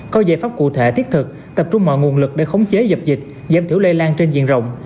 có giải pháp cụ thể thiết thực tập trung mọi nguồn lực để khống chế dập dịch giảm thiểu lây lan trên diện rộng